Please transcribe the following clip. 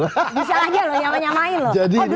bisa aja loh nyama nyamain loh